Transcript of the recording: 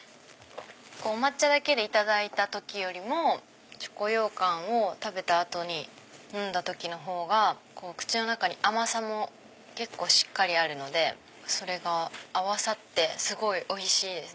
お抹茶だけでいただいた時よりもチョコようかんを食べた後に飲んだ時のほうが口の中に甘さも結構しっかりあるのでそれが合わさってすごいおいしいです。